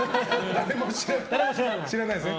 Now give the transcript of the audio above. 誰も知らないですね。